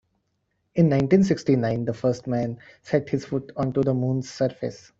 In nineteen-sixty-nine the first man set his foot onto the moon's surface.